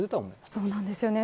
そうなんですよね。